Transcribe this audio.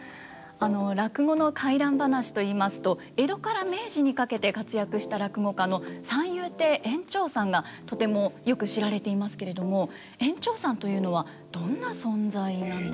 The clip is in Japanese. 落語の怪談噺といいますと江戸から明治にかけて活躍した落語家の三遊亭圓朝さんがとてもよく知られていますけれども圓朝さんというのはどんな存在なんですか？